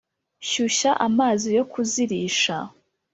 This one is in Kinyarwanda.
Shyushya amazi yo kuzirisha